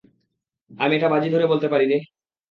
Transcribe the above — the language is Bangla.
আমি এটা বাজি ধরে বলতে পারি রে।